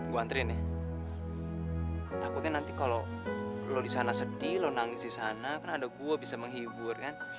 gue antren ya takutnya nanti kalau lo di sana sedih lo nangis di sana kan ada gua bisa menghibur kan